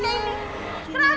enggak ibu salah